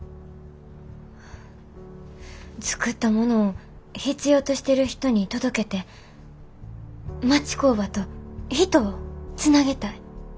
作ったものを必要としてる人に届けて町工場と人をつなげたい。